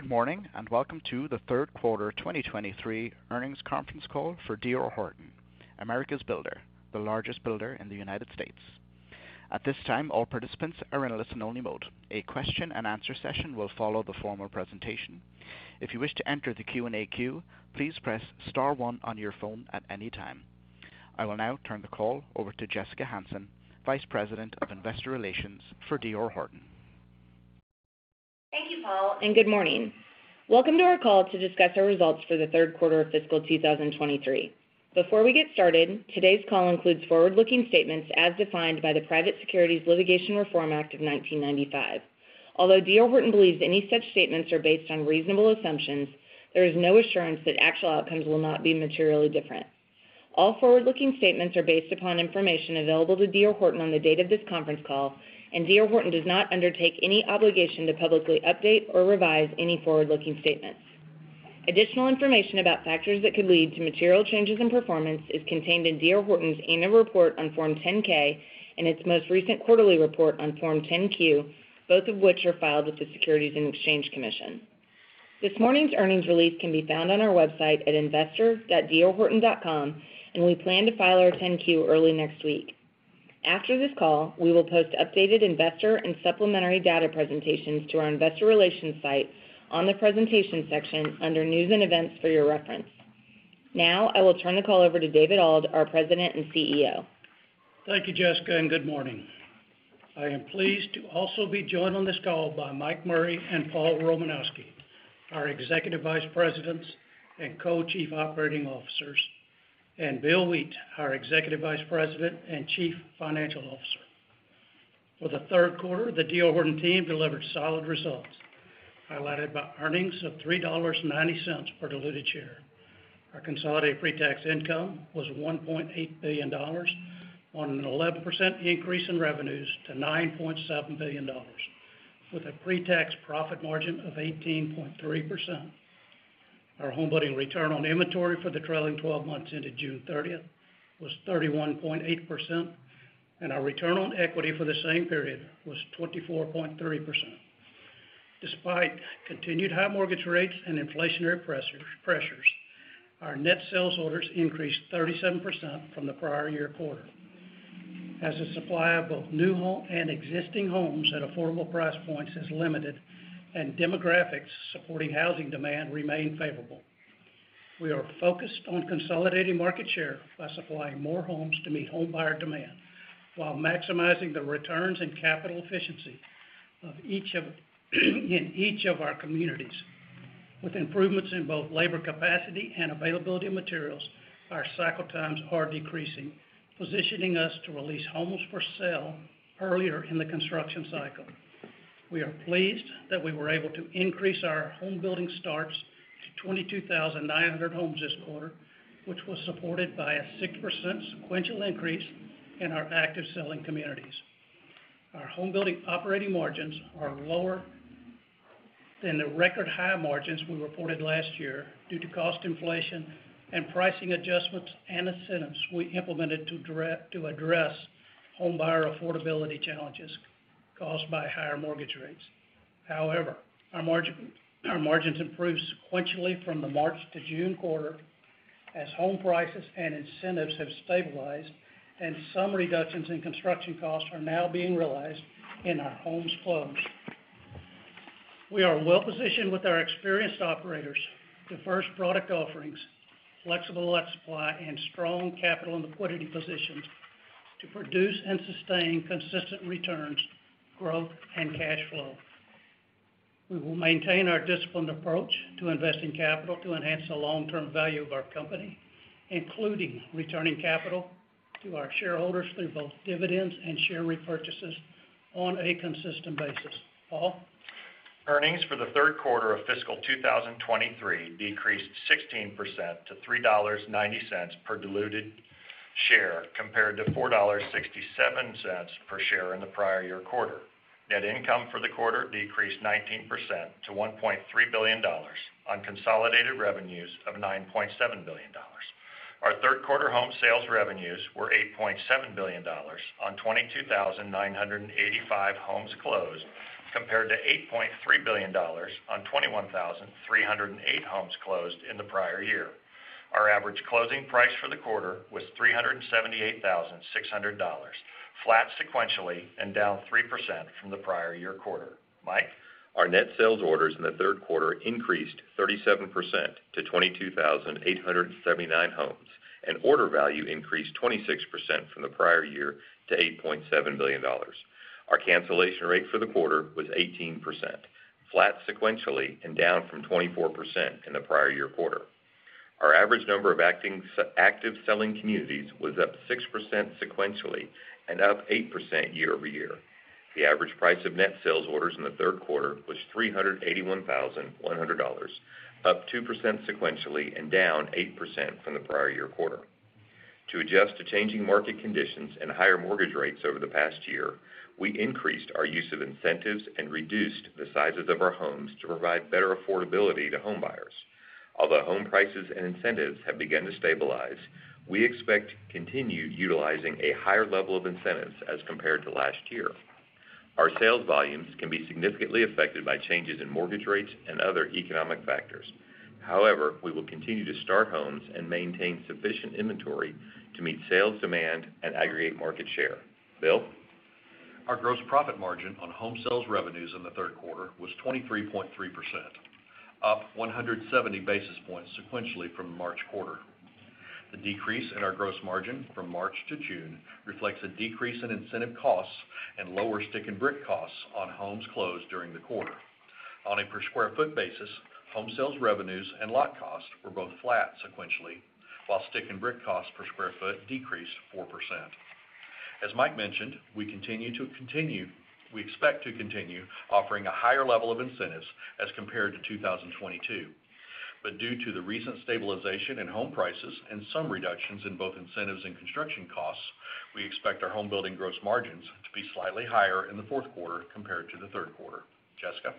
Good morning, welcome to the Q3 2023 earnings conference call for D.R. Horton, America's Builder, the largest builder in the United States. At this time, all participants are in a listen-only mode. A question-and-answer session will follow the formal presentation. If you wish to enter the Q&A queue, please press star one on your phone at any time. I will now turn the call over to Jessica Hansen, Vice President of Investor Relations for D.R. Horton. Thank you, Paul, and good morning. Welcome to our call to discuss our results for the Q3 of fiscal 2023. Before we get started, today's call includes forward-looking statements as defined by the Private Securities Litigation Reform Act of 1995. Although D.R. Horton believes any such statements are based on reasonable assumptions, there is no assurance that actual outcomes will not be materially different. All forward-looking statements are based upon information available to D.R. Horton on the date of this conference call, and D.R. Horton does not undertake any obligation to publicly update or revise any forward-looking statements. Additional information about factors that could lead to material changes in performance is contained in D.R. Horton's Annual Report on Form 10-K and its most recent quarterly report on Form 10-Q, both of which are filed with the Securities and Exchange Commission. This morning's earnings release can be found on our website at investor.drhorton.com. We plan to file our 10-Q early next week. After this call, we will post updated investor and supplementary data presentations to our investor relations site on the presentation section under News and Events for your reference. Now, I will turn the call over to David Auld, our President and CEO. Thank you, Jessica, and good morning. I am pleased to also be joined on this call by Mike Murray and Paul Romanowski, our Executive Vice Presidents and Co-Chief Operating Officers, and Bill Wheat, our Executive Vice President and Chief Financial Officer. For the Q3, the D.R. Horton team delivered solid results, highlighted by earnings of $3.90 per diluted share. Our consolidated pretax income was $1.8 billion on an 11% increase in revenues to $9.7 billion, with a pretax profit margin of 18.3%. Our homebuilding return on inventory for the trailing 12 months into June 30th was 31.8%, and our return on equity for the same period was 24.3%. Despite continued high mortgage rates and inflationary pressures, our net sales orders increased 37% from the prior year quarter. The supply of both new home and existing homes at affordable price points is limited and demographics supporting housing demand remain favorable. We are focused on consolidating market share by supplying more homes to meet home buyer demand, while maximizing the returns and capital efficiency in each of our communities. With improvements in both labor capacity and availability of materials, our cycle times are decreasing, positioning us to release homes for sale earlier in the construction cycle. We are pleased that we were able to increase our homebuilding starts to 22,900 homes this quarter, which was supported by a 6% sequential increase in our active selling communities. Our homebuilding operating margins are lower than the record-high margins we reported last year due to cost inflation and pricing adjustments and incentives we implemented to address home buyer affordability challenges caused by higher mortgage rates. However, our margins improved sequentially from the March to June quarter as home prices and incentives have stabilized and some reductions in construction costs are now being realized in our homes closed. We are well-positioned with our experienced operators, diverse product offerings, flexible supply, and strong capital and liquidity positions to produce and sustain consistent returns, growth, and cash flow. We will maintain our disciplined approach to investing capital to enhance the long-term value of our company, including returning capital to our shareholders through both dividends and share repurchases on a consistent basis. Paul? Earnings for the Q3 of fiscal 2023 decreased 16% to $3.90 per diluted share, compared to $4.67 per share in the prior year quarter. Net income for the quarter decreased 19% to $1.3 billion on consolidated revenues of $9.7 billion. Our Q3 home sales revenues were $8.7 billion on 22,985 homes closed, compared to $8.3 billion on 21,308 homes closed in the prior year. Our average closing price for the quarter was $378,600, flat sequentially and down 3% from the prior year quarter. Mike? Our net sales orders in the Q3 increased 37% to 22,879 homes, and order value increased 26% from the prior year to $8.7 billion. Our cancellation rate for the quarter was 18%, flat sequentially and down from 24% in the prior year quarter. Our average number of active selling communities was up 6% sequentially and up 8% year-over-year. The average price of net sales orders in the Q3 was $381,100, up 2% sequentially and down 8% from the prior year quarter. To adjust to changing market conditions and higher mortgage rates over the past year, we increased our use of incentives and reduced the sizes of our homes to provide better affordability to home buyers. Although home prices and incentives have begun to stabilize, we expect to continue utilizing a higher level of incentives as compared to last year. Our sales volumes can be significantly affected by changes in mortgage rates and other economic factors. We will continue to start homes and maintain sufficient inventory to meet sales demand and aggregate market share. Bill? Our gross profit margin on home sales revenues in the Q3 was 23.3%, up 170 basis points sequentially from the March quarter. The decrease in our gross margin from March to June reflects a decrease in incentive costs and lower stick and brick costs on homes closed during the quarter. On a per square foot basis, home sales revenues and lot costs were both flat sequentially, while stick and brick costs per square foot decreased 4%. As Mike mentioned, we expect to continue offering a higher level of incentives as compared to 2022. Due to the recent stabilization in home prices and some reductions in both incentives and construction costs, we expect our homebuilding gross margins to be slightly higher in the Q4 compared to the Q3. Jessica?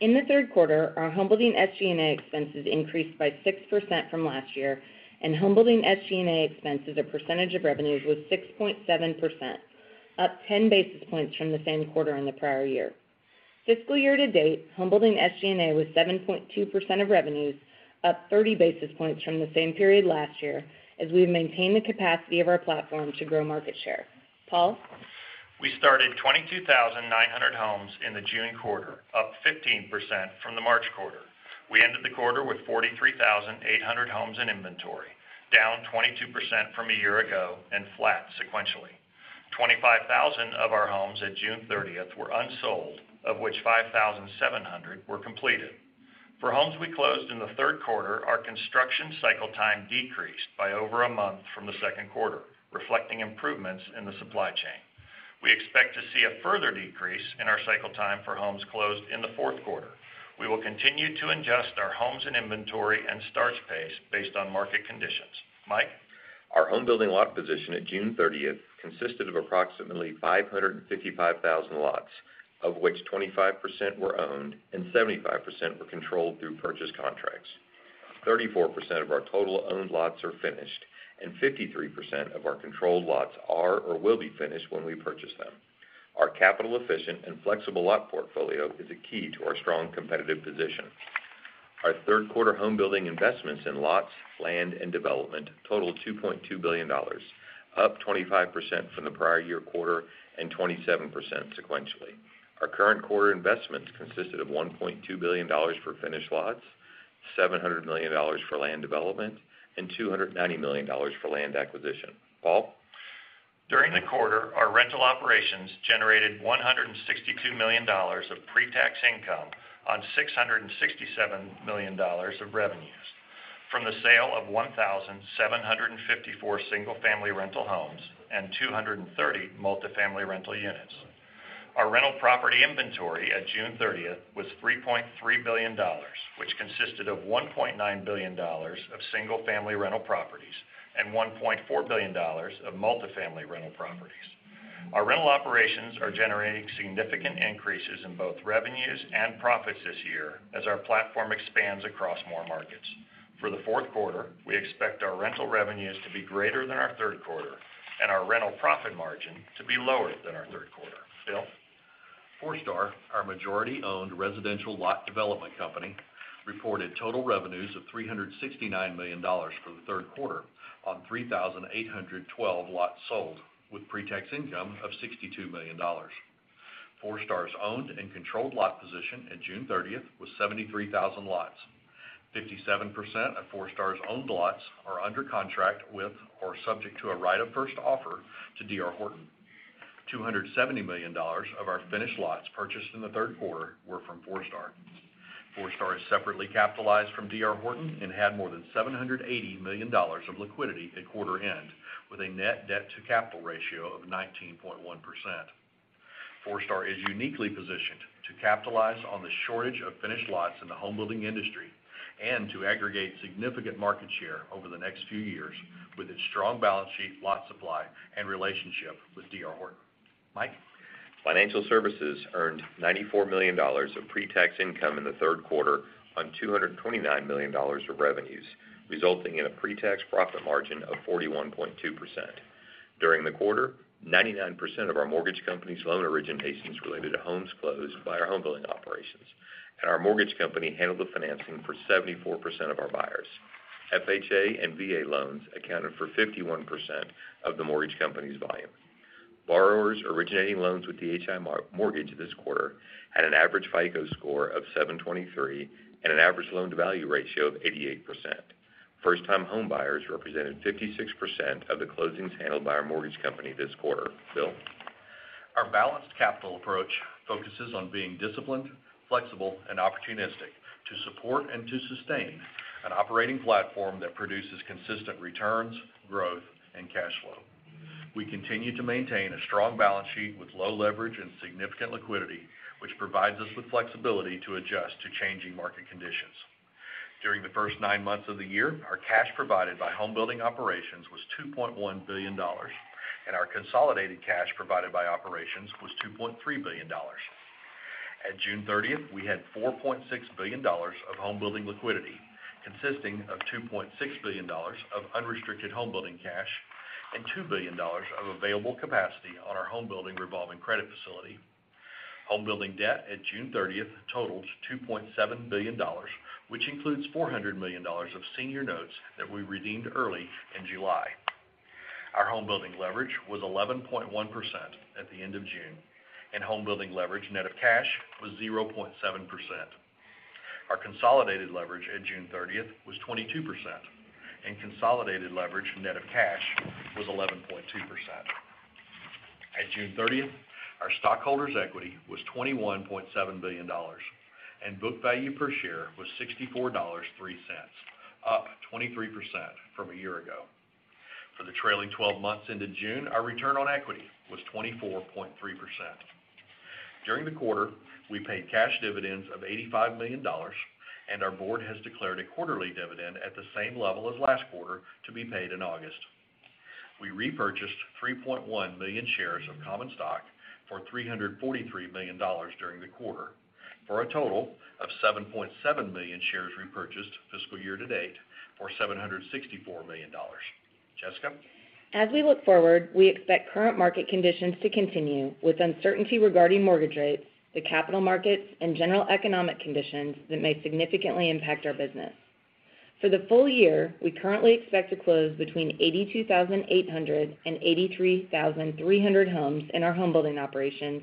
In the Q3, our homebuilding SG&A expenses increased by 6% from last year. Homebuilding SG&A expenses as a percentage of revenues was 6.7%, up 10 basis points from the same quarter in the prior year. Fiscal year to date, homebuilding SG&A was 7.2% of revenues, up 30 basis points from the same period last year, as we have maintained the capacity of our platform to grow market share. Paul? We started 22,900 homes in the June quarter, up 15% from the March quarter. We ended the quarter with 43,800 homes in inventory, down 22% from a year ago and flat sequentially. 25,000 of our homes at June 30th were unsold, of which 5,700 were completed. For homes we closed in the Q3, our construction cycle time decreased by over a month from the Q2, reflecting improvements in the supply chain. We expect to see a further decrease in our cycle time for homes closed in the Q4. We will continue to adjust our homes and inventory and starts pace based on market conditions. Mike? Our homebuilding lot position at June thirtieth consisted of approximately 555,000 lots, of which 25% were owned and 75% were controlled through purchase contracts. 34% of our total owned lots are finished, and 53% of our controlled lots are or will be finished when we purchase them. Our capital-efficient and flexible lot portfolio is a key to our strong competitive position. Our Q3 homebuilding investments in lots, land, and development totaled $2.2 billion, up 25% from the prior year quarter and 27% sequentially. Our current quarter investments consisted of $1.2 billion for finished lots, $700 million for land development, and $290 million for land acquisition. Paul? During the quarter, our rental operations generated $162 million of pretax income on $667 million of revenues from the sale of 1,754 single-family rental homes and 230 multifamily rental units. Our rental property inventory at June 30th was $3.3 billion, which consisted of $1.9 billion of single-family rental properties and $1.4 billion of multifamily rental properties. Our rental operations are generating significant increases in both revenues and profits this year as our platform expands across more markets. For the Q4, we expect our rental revenues to be greater than our Q3 and our rental profit margin to be lower than our Q3. Bill? Forestar, our majority-owned residential lot development company, reported total revenues of $369 million for the Q3 on 3,812 lots sold, with pretax income of $62 million. Forestar's owned and controlled lot position at June 30th was 73,000 lots. 57% of Forestar's owned lots are under contract with or subject to a right of first offer to D.R. Horton. $270 million of our finished lots purchased in the Q3 were from Forestar. Forestar is separately capitalized from D.R. Horton and had more than $780 million of liquidity at quarter end, with a net debt-to-capital ratio of 19.1%. Forestar is uniquely positioned to capitalize on the shortage of finished lots in the homebuilding industry and to aggregate significant market share over the next few years with its strong balance sheet, lot supply, and relationship with D.R. Horton. Mike? Financial Services earned $94 million of pretax income in the Q3 on $229 million of revenues, resulting in a pretax profit margin of 41.2%. During the quarter, 99% of our mortgage company's loan originations related to homes closed by our homebuilding operations, and our mortgage company handled the financing for 74% of our buyers. FHA and VA loans accounted for 51% of the mortgage company's volume. Borrowers originating loans with DHI Mortgage this quarter had an average FICO score of 723 and an average loan-to-value ratio of 88%. First-time homebuyers represented 56% of the closings handled by our mortgage company this quarter. Bill? Our balanced capital approach focuses on being disciplined, flexible, and opportunistic to support and to sustain an operating platform that produces consistent returns, growth, and cash flow. We continue to maintain a strong balance sheet with low leverage and significant liquidity, which provides us with flexibility to adjust to changing market conditions. During the first nine months of the year, our cash provided by homebuilding operations was $2.1 billion, and our consolidated cash provided by operations was $2.3 billion. At June 30th, we had $4.6 billion of homebuilding liquidity, consisting of $2.6 billion of unrestricted homebuilding cash and $2 billion of available capacity on our homebuilding revolving credit facility. Homebuilding debt at June 30th totals $2.7 billion, which includes $400 million of senior notes that we redeemed early in July. Our homebuilding leverage was 11.1% at the end of June, and homebuilding leverage net of cash was 0.7%. Our consolidated leverage at June 30th was 22%, and consolidated leverage net of cash was 11.2%. At June 30th, our stockholders' equity was $21.7 billion, and book value per share was $64.03, up 23% from a year ago. For the trailing twelve months into June, our return on equity was 24.3%. During the quarter, we paid cash dividends of $85 million, and our board has declared a quarterly dividend at the same level as last quarter to be paid in August. We repurchased 3.1 million shares of common stock for $343 million during the quarter, for a total of 7.7 million shares repurchased fiscal year to date for $764 million. Jessica? As we look forward, we expect current market conditions to continue, with uncertainty regarding mortgage rates, the capital markets, and general economic conditions that may significantly impact our business. For the full year, we currently expect to close between 82,800 and 83,300 homes in our homebuilding operations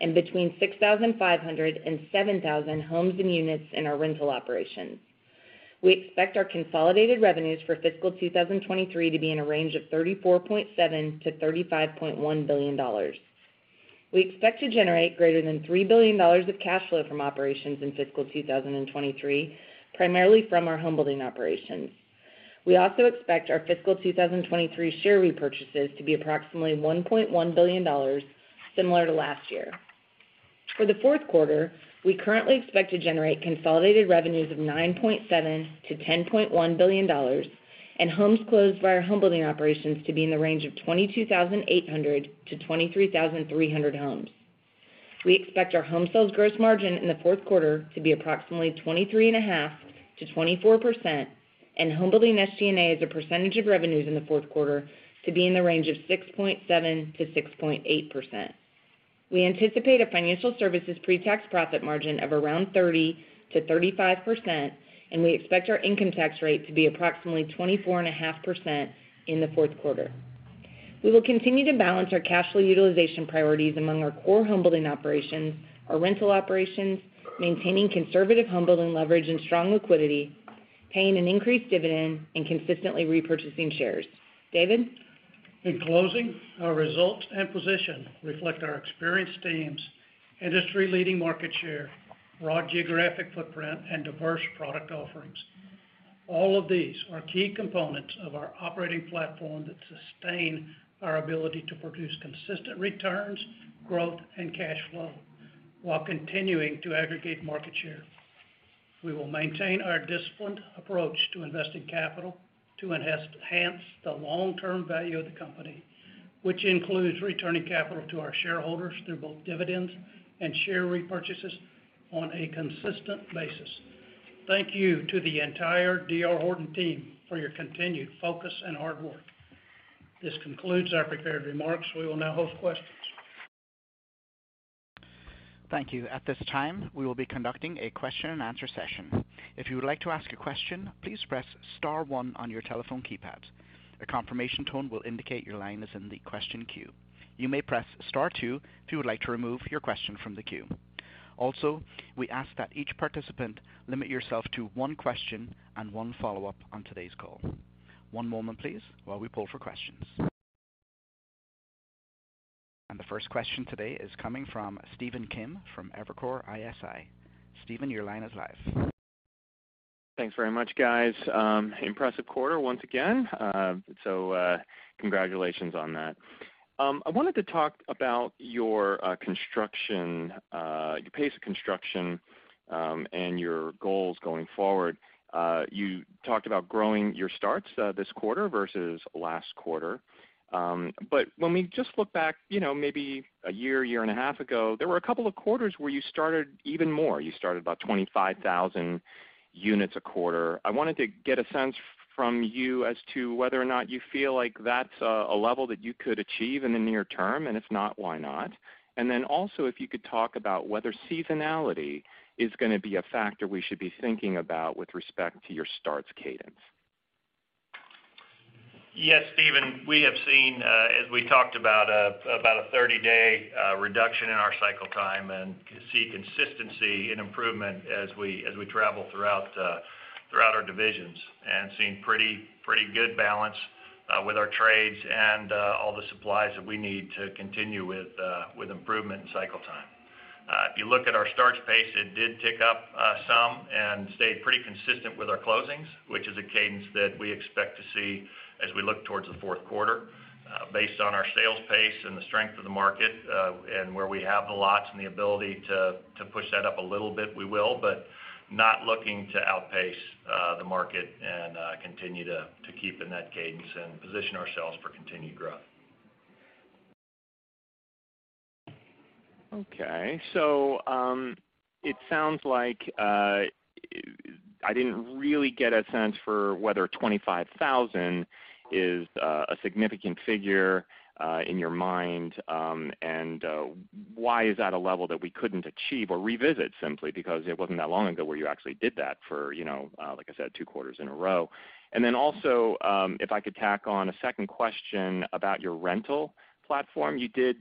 and between 6,500 and 7,000 homes and units in our rental operations. We expect our consolidated revenues for fiscal 2023 to be in a range of $34.7 to 35.1 billion. We expect to generate greater than $3 billion of cash flow from operations in fiscal 2023, primarily from our homebuilding operations. We also expect our fiscal 2023 share repurchases to be approximately $1.1 billion, similar to last year. For the Q4, we currently expect to generate consolidated revenues of $9.7 to 10.1 billion and homes closed by our homebuilding operations to be in the range of 22,800 to 23,300 homes. We expect our home sales gross margin in the Q4 to be approximately 23.5 to 24%, and homebuilding SG&A as a percentage of revenues in the Q4 to be in the range of 6.7 to 6.8%. We anticipate a financial services pretax profit margin of around 30 to 35%. We expect our income tax rate to be approximately 24.5% in the Q4. We will continue to balance our cash flow utilization priorities among our core homebuilding operations, our rental operations, maintaining conservative homebuilding leverage and strong liquidity, paying an increased dividend, and consistently repurchasing shares. David? In closing, our results and position reflect our experienced teams, industry-leading market share, broad geographic footprint, and diverse product offerings. All of these are key components of our operating platform that sustain our ability to produce consistent returns, growth, and cash flow while continuing to aggregate market share. We will maintain our disciplined approach to investing capital to enhance the long-term value of the company, which includes returning capital to our shareholders through both dividends and share repurchases on a consistent basis. Thank you to the entire D.R. Horton team for your continued focus and hard work. This concludes our prepared remarks. We will now host questions. Thank you. At this time, we will be conducting a question-and-answer session. If you would like to ask a question, please press star one on your telephone keypad. A confirmation tone will indicate your line is in the question queue. You may press star two if you would like to remove your question from the queue. Also, we ask that each participant limit yourself to one question and one follow-up on today's call. One moment, please, while we poll for questions. The first question today is coming from Stephen Kim from Evercore ISI. Stephen, your line is live. Thanks very much, guys. Impressive quarter once again. Congratulations on that. I wanted to talk about your construction, your pace of construction, and your goals going forward. You talked about growing your starts this quarter versus last quarter. When we just look back, you know, maybe a year and a half ago, there were a couple of quarters where you started even more. You started about 25,000 units a quarter. I wanted to get a sense from you as to whether or not you feel like that's a level that you could achieve in the near term, and if not, why not? Also, if you could talk about whether seasonality is gonna be a factor we should be thinking about with respect to your starts cadence. Yes, Stephen, we have seen, as we talked about a 30-day reduction in our cycle time and can see consistency and improvement as we travel throughout our divisions, and seeing pretty good balance with our trades and all the supplies that we need to continue with improvement in cycle time. If you look at our starts pace, it did tick up some and stayed pretty consistent with our closings, which is a cadence that we expect to see as we look towards the Q4. Based on our sales pace and the strength of the market, and where we have the lots and the ability to push that up a little bit, we will but not looking to outpace the market and continue to keep in that cadence and position ourselves for continued growth. Okay, it sounds like, I didn't really get a sense for whether 25,000 is a significant figure in your mind, and why is that a level that we couldn't achieve or revisit simply because it wasn't that long ago where you actually did that for, you know, like I said, 2 quarters in a row? Also, if I could tack on a second question about your rental platform, you did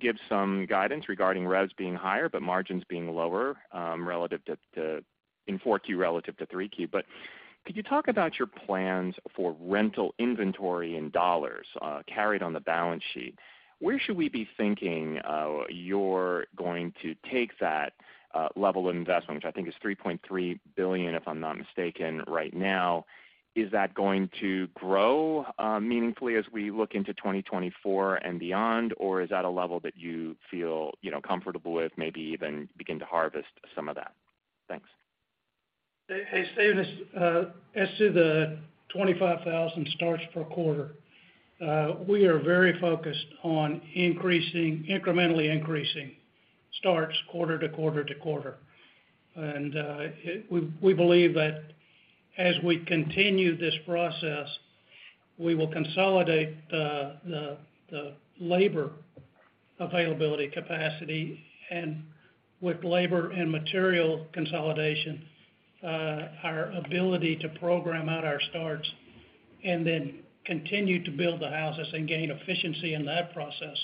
give some guidance regarding revs being higher, but margins being lower, relative to in 4Q, relative to 3Q. Could you talk about your plans for rental inventory in dollars carried on the balance sheet? Where should we be thinking, you're going to take that, level of investment, which I think is $3.3 billion, if I'm not mistaken, right now. Is that going to grow, meaningfully as we look into 2024 and beyond? Or is that a level that you feel, you know, comfortable with, maybe even begin to harvest some of that? Thanks. Hey, Stephen, as to the 25,000 starts per quarter, we are very focused on incrementally increasing starts quarter to quarter to quarter. We believe that as we continue this process, we will consolidate the labor availability, capacity, and with labor and material consolidation, our ability to program out our starts and then continue to build the houses and gain efficiency in that process,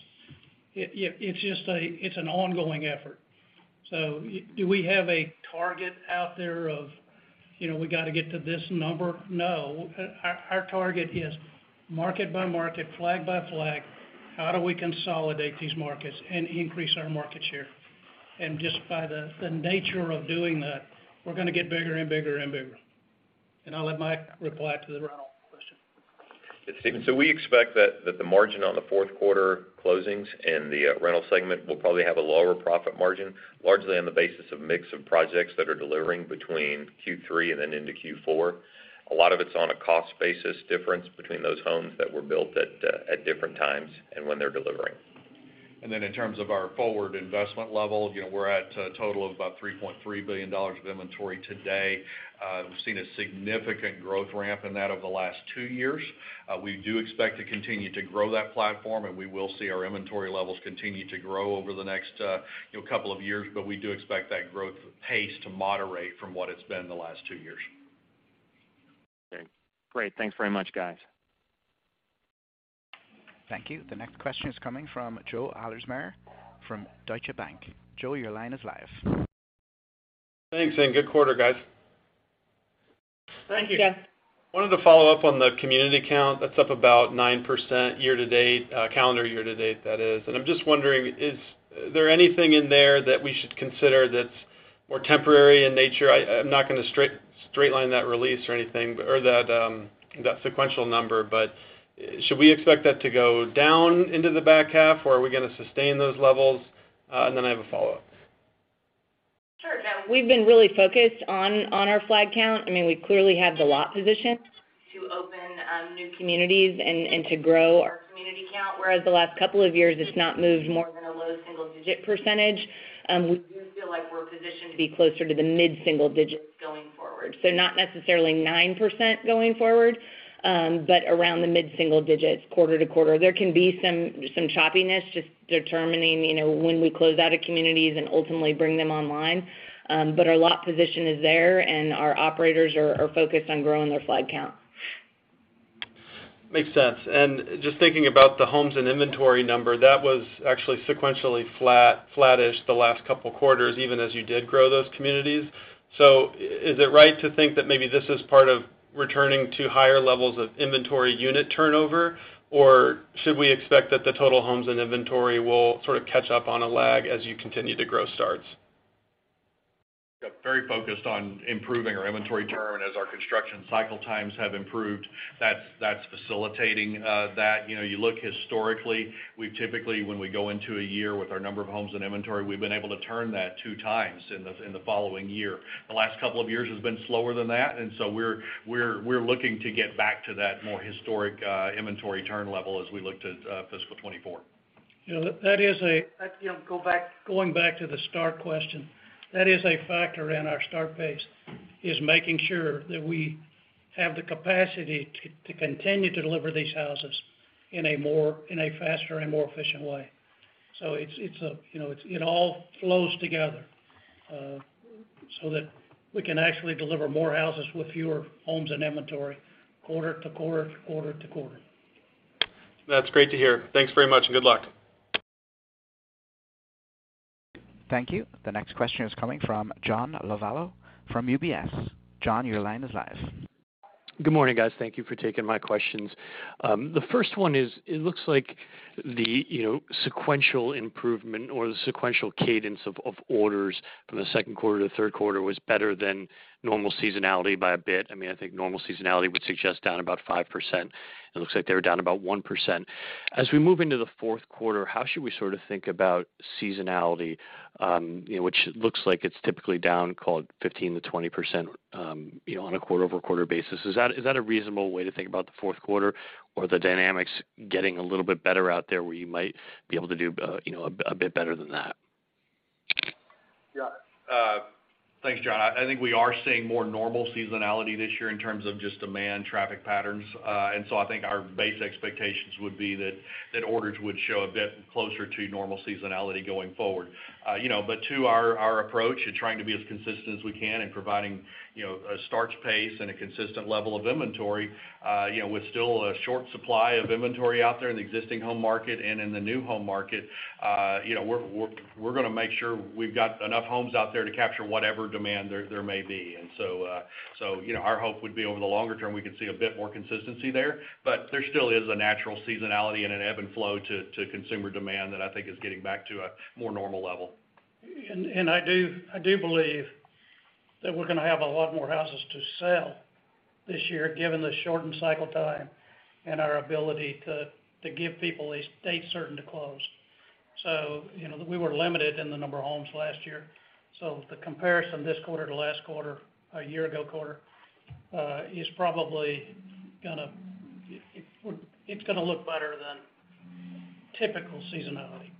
it's just an ongoing effort. Do we have a target out there of, you know, we got to get to this number? No. Our target is market by market, flag by flag, how do we consolidate these markets and increase our market share? Just by the nature of doing that, we're going to get bigger and bigger and bigger. I'll let Mike reply to the rental question. Stephen, we expect that the margin on the Q4 closings in the rental segment will probably have a lower profit margin, largely on the basis of mix of projects that are delivering between Q3 and then into Q4. A lot of it's on a cost basis difference between those homes that were built at different times and when they're delivering. In terms of our forward investment level, you know, we're at a total of about $3.3 billion of inventory today. We've seen a significant growth ramp in that over the last two years. We do expect to continue to grow that platform, and we will see our inventory levels continue to grow over the next, you know, couple of years, but we do expect that growth pace to moderate from what it's been the last two years. Okay, great. Thanks very much, guys. Thank you. The next question is coming from Joe Ahlersmeyer from Deutsche Bank. Joe, your line is live. Thanks, and good quarter, guys. Thank you. Thanks, Joe. Wanted to follow up on the community count. That's up about 9% year-to-date, calendar year-to-date, that is. I'm just wondering, is there anything in there that we should consider that's more temporary in nature? I'm not going to straight line that release or anything, or that sequential number, should we expect that to go down into the back half, or are we going to sustain those levels? I have a follow-up. Sure, Joe. We've been really focused on our flag count. I mean, we clearly have the lot position to open new communities and to grow our community count, whereas the last couple of years, it's not moved more than a low single-digit %. We do feel like we're positioned to be closer to the mid-single digits going forward. Not necessarily 9% going forward, but around the mid-single digits, quarter to quarter. There can be some choppiness, just determining, you know, when we close out of communities and ultimately bring them online, but our lot position is there, and our operators are focused on growing their flag count. Makes sense. Just thinking about the homes and inventory number, that was actually sequentially flat, flattish the last couple of quarters, even as you did grow those communities. Is it right to think that maybe this is part of returning to higher levels of inventory unit turnover, or should we expect that the total homes and inventory will sort of catch up on a lag as you continue to grow starts? Yep, very focused on improving our inventory turn as our construction cycle times have improved. That's facilitating that. You know, you look historically, we've typically, when we go into a year with our number of homes in inventory, we've been able to turn that 2 times in the following year. The last couple of years has been slower than that. We're looking to get back to that more historic inventory turn level as we look to fiscal 24. Yeah, that, you know, going back to the start question, that is a factor in our start pace, is making sure that we have the capacity to continue to deliver these houses in a more, in a faster and more efficient way. It's a, you know, it all flows together, so that we can actually deliver more houses with fewer homes and inventory quarter to quarter to quarter to quarter. That's great to hear. Thanks very much, and good luck. Thank you. The next question is coming from John Lovallo from UBS. John, your line is live. Good morning, guys. Thank you for taking my questions. The first one is, it looks like the, you know, sequential improvement or the sequential cadence of orders from the Q2 to the Q3 was better than normal seasonality by a bit. I mean, I think normal seasonality would suggest down about 5%. It looks like they were down about 1%. As we move into the Q4, how should we sort of think about seasonality? Which looks like it's typically down, called 15 to 20%, you know, on a quarter-over-quarter basis. Is that, is that a reasonable way to think about the Q4, or are the dynamics getting a little bit better out there where you might be able to do, you know, a bit better than that?... Yeah, thanks, John. I think we are seeing more normal seasonality this year in terms of just demand traffic patterns. I think our base expectations would be that orders would show a bit closer to normal seasonality going forward. you know, but to our approach in trying to be as consistent as we can in providing, you know, a starch pace and a consistent level of inventory, you know, with still a short supply of inventory out there in the existing home market and in the new home market, you know, we're gonna make sure we've got enough homes out there to capture whatever demand there may be. you know, our hope would be over the longer term, we can see a bit more consistency there. There still is a natural seasonality and an ebb and flow to consumer demand that I think is getting back to a more normal level. I do believe that we're gonna have a lot more houses to sell this year, given the shortened cycle time and our ability to give people a date certain to close. You know, we were limited in the number of homes last year. The comparison this quarter to last quarter, a year ago quarter, is probably gonna look better than typical seasonality.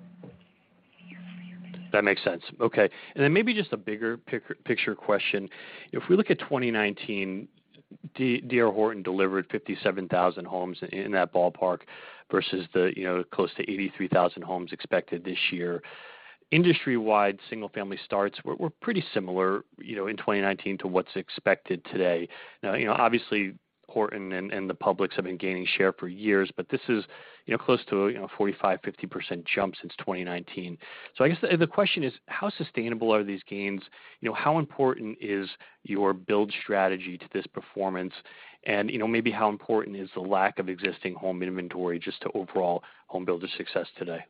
That makes sense. Okay. Then maybe just a bigger picture question. If we look at 2019, D.R. Horton delivered 57,000 homes in that ballpark versus the, you know, close to 83,000 homes expected this year. Industry-wide, single-family starts were pretty similar, you know, in 2019 to what's expected today. Now, you know, obviously, Horton and the publics have been gaining share for years, but this is, you know, close to, you know, 45 to 50% jump since 2019. I guess the question is, how sustainable are these gains? You know, how important is your build strategy to this performance? You know, maybe how important is the lack of existing home inventory just to overall homebuilder success today?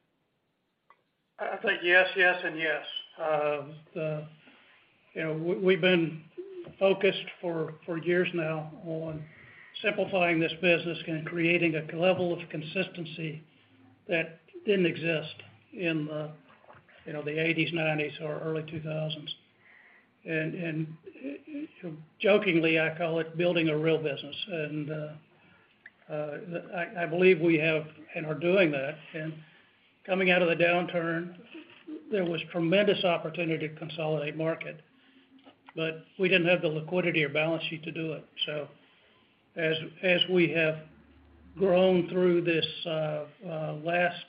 I think yes, and yes. You know, we've been focused for years now on simplifying this business and creating a level of consistency that didn't exist in the, you know, the 80s, 90s, or early 2000s. Jokingly, I call it building a real business, and I believe we have and are doing that. Coming out of the downturn, there was tremendous opportunity to consolidate market, but we didn't have the liquidity or balance sheet to do it. As we have grown through this last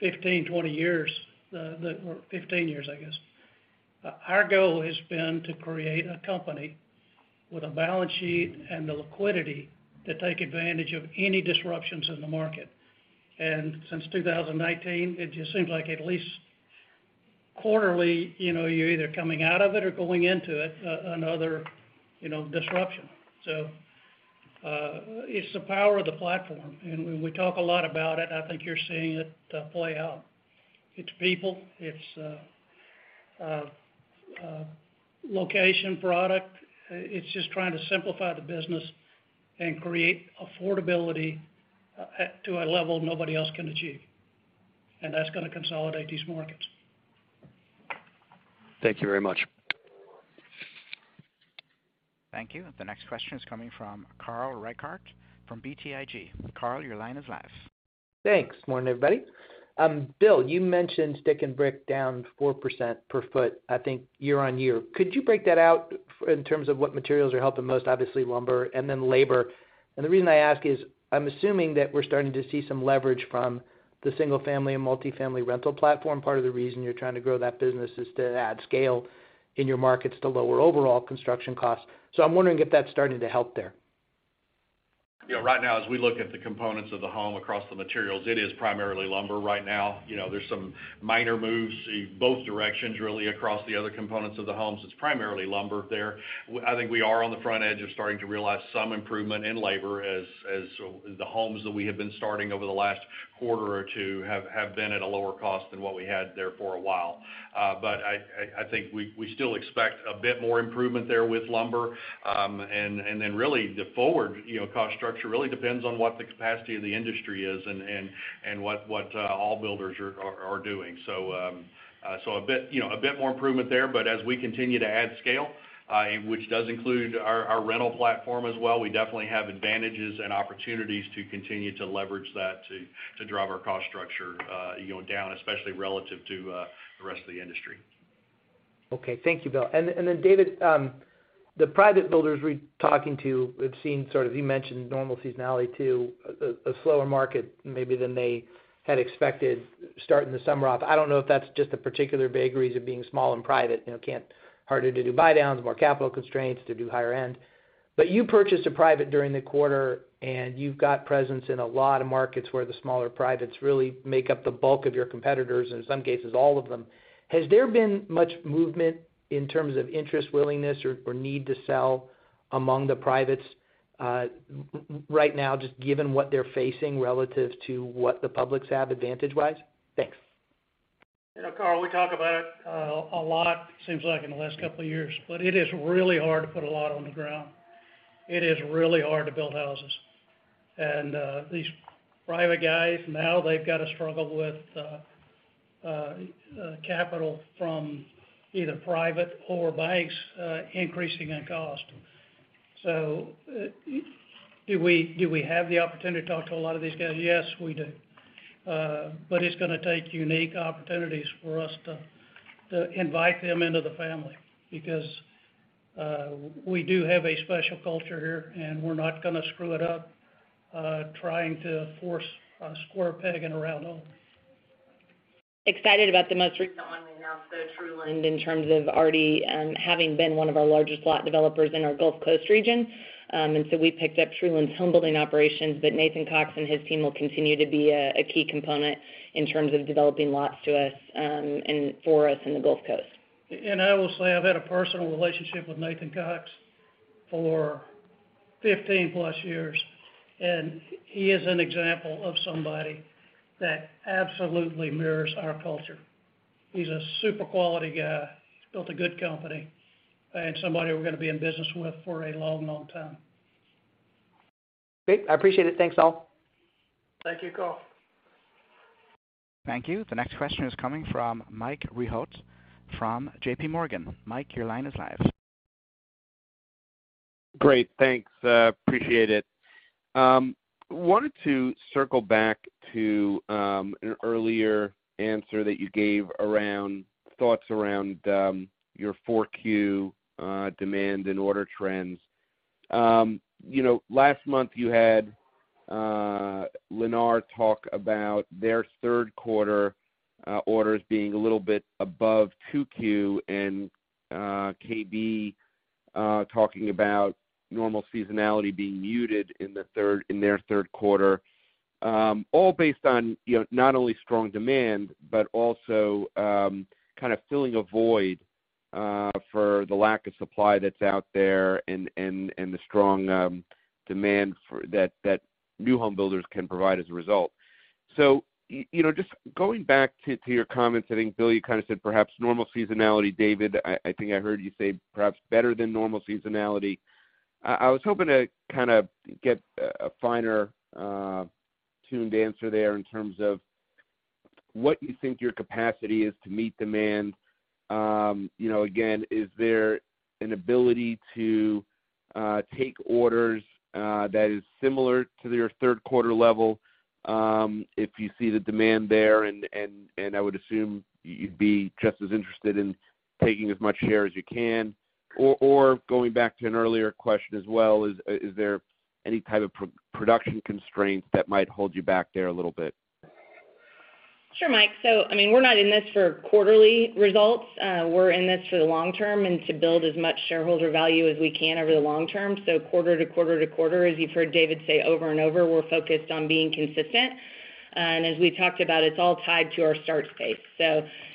15, 20 years, or 15 years, I guess, our goal has been to create a company with a balance sheet and the liquidity to take advantage of any disruptions in the market. Since 2019, it just seems like at least quarterly, you know, you're either coming out of it or going into it, another, you know, disruption. It's the power of the platform, and we talk a lot about it. I think you're seeing it play out. It's people, it's location, product. It's just trying to simplify the business and create affordability to a level nobody else can achieve. That's gonna consolidate these markets. Thank you very much. Thank you. The next question is coming from Carl Reichardt from BTIG. Carl, your line is live. Thanks. Morning, everybody. Bill, you mentioned stick and brick down 4% per foot, I think, year-on-year. Could you break that out in terms of what materials are helping most, obviously, lumber and then labor? The reason I ask is, I'm assuming that we're starting to see some leverage from the single-family and multifamily rental platform. Part of the reason you're trying to grow that business is to add scale in your markets to lower overall construction costs. I'm wondering if that's starting to help there. Yeah, right now, as we look at the components of the home across the materials, it is primarily lumber right now. You know, there's some minor moves in both directions, really, across the other components of the homes. It's primarily lumber there. I think we are on the front edge of starting to realize some improvement in labor as the homes that we have been starting over the last quarter or two have been at a lower cost than what we had there for a while. I think we still expect a bit more improvement there with lumber. Really, the forward, you know, cost structure really depends on what the capacity of the industry is and what all builders are doing. A bit, you know, a bit more improvement there. As we continue to add scale, which does include our rental platform as well, we definitely have advantages and opportunities to continue to leverage that to drive our cost structure, you know, down, especially relative to the rest of the industry. Okay. Thank you, Bill. David, the private builders we're talking to, we've seen sort of, you mentioned normal seasonality to a slower market maybe than they had expected starting the summer off. I don't know if that's just a particular vagaries of being small and private, you know, harder to do buy downs, more capital constraints to do higher end. You purchased a private during the quarter, and you've got presence in a lot of markets where the smaller privates really make up the bulk of your competitors, in some cases, all of them. Has there been much movement in terms of interest, willingness, or need to sell among the privates, right now, just given what they're facing relative to what the publics have, advantage-wise? Thanks. Yeah, Carl, we talk about it, a lot, seems like in the last couple of years, but it is really hard to put a lot on the ground. It is really hard to build houses. These private guys, now they've got to struggle with capital from either private or banks, increasing in cost. Do we have the opportunity to talk to a lot of these guys? Yes, we do. But it's gonna take unique opportunities for us to invite them into the family because we do have a special culture here, and we're not gonna screw it up, trying to force a square peg in a round hole. Excited about the most recent one we announced, so Truland, in terms of already, having been one of our largest lot developers in our Gulf Coast region. We picked up Truland's homebuilding operations, but Nathan Cox and his team will continue to be a key component in terms of developing lots to us, and for us in the Gulf Coast. I will say, I've had a personal relationship with Nathan Cox for 15 plus years. He is an example of somebody that absolutely mirrors our culture. He's a super quality guy. He's built a good company. Somebody we're gonna be in business with for a long, long time. Great. I appreciate it. Thanks, all. Thank you, Carl. Thank you. The next question is coming from Michael Rehaut from JP Morgan. Mike, your line is live. Great, thanks, appreciate it. Wanted to circle back to an earlier answer that you gave around thoughts around your 4Q demand and order trends. You know, last month you had Lennar talk about their Q3 orders being a little bit above 2Q, and KB talking about normal seasonality being muted in their Q3. All based on, you know, not only strong demand, but also kind of filling a void for the lack of supply that's out there and the strong demand that new home builders can provide as a result. You know, just going back to your comments, I think, Bill, you kind of said perhaps normal seasonality. David, I think I heard you say perhaps better than normal seasonality. I was hoping to kind of get a finer tuned answer there in terms of what you think your capacity is to meet demand. You know, again, is there an ability to take orders that is similar to your Q3 level? If you see the demand there, and I would assume you'd be just as interested in taking as much share as you can. Going back to an earlier question as well, is there any type of production constraints that might hold you back there a little bit? Sure, Mike. I mean, we're not in this for quarterly results, we're in this for the long term and to build as much shareholder value as we can over the long term. Quarter to quarter to quarter, as you've heard David say over and over, we're focused on being consistent. As we've talked about, it's all tied to our start space.